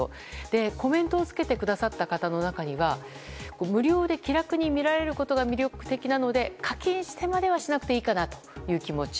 コメントをつけてくださった方の中には無料で気楽に見られることが魅力的なので課金してまではしなくていいかなという気持ち。